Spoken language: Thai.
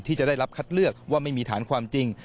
ที่จะได้รับคัดเลือกว่าไม่มีฐานความจริง